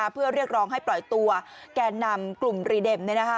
เพื่อเรียกร้องให้ปล่อยตัวแกนนำกลุ่มรีเด็ม